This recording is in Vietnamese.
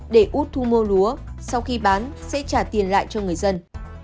để út thu mua lúa sau khi bán sẽ trả tiền lại cho người dân